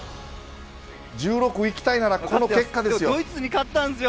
１６行きたいならこの結果ですよ。